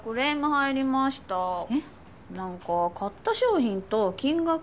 何か買った商品と金額？